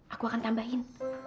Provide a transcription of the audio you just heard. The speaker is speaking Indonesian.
aku akan tambahin